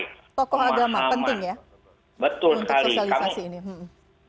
untuk sosialisasi ini